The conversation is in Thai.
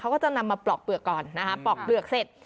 เขาก็จะนำมาปลอกเปลือกก่อนนะคะปลอกเปลือกเสร็จ